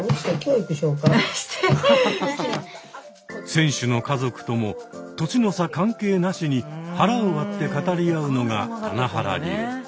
選手の家族とも年の差関係なしに腹を割って語り合うのが棚原流。